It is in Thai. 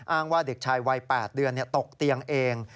ว่าเด็กชายวัย๘เดือนตกเตียงเอง